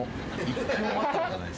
１回も待ったことない。